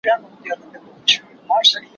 وې نارې د جاله وان شور د بلبلو